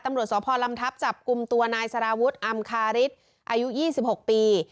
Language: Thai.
ตำลวดสวพรรรมทัพจับกลุ่มตัวนายสารวุธอามคาริสอายุยี่สิบหกปี